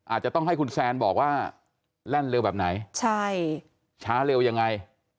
อาจจะต้องให้คุณแซนบอกว่าแล่นเร็วแบบไหนใช่ช้าเร็วยังไง